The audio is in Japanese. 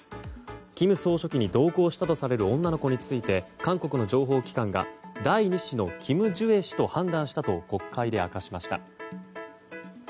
金総書記に同行したとされる女の子について韓国の情報機関が第２子のキム・ジュエ氏と判断したと国会で明かしました。